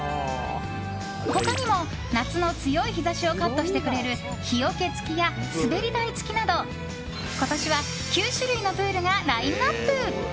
他にも、夏の強い日差しをカットしてくれる日よけ付きや滑り台付きなど、今年は９種類のプールがラインアップ。